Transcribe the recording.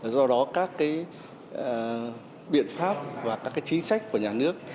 do đó các biện pháp và các chính sách của nhà nước